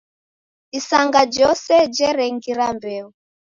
Isanga jose jerengira mbeo.